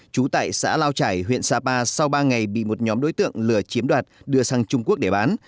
trú tại xã lào trải huyện sà ba sau ba ngày bị một nhóm đối tượng lừa chiếm đoạt đưa sang trung quốc để bán